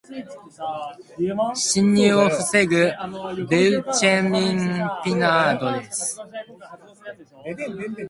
侵入を防ぐベウチェミン・ピナードです。